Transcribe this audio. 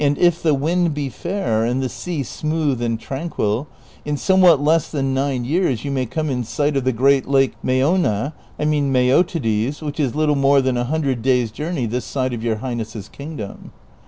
if tlie wind be fair and the sea smooth and tranquil, in some what less than nine years yon may come in sight of the great lake Meona, I mean Meotides, which is little more than a hun dred days' journey this side of your highness's kingdom."